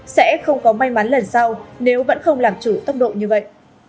sẽ không có may mắn lần sau nếu vẫn không làm chủ tốc độ như vậy